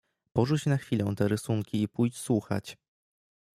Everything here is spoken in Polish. "porzuć na chwilę te rysunki i pójdź słuchać."